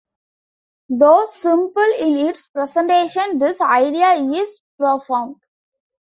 Though simple in its presentation, this idea is profound.